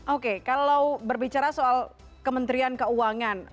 oke kalau berbicara soal kementerian keuangan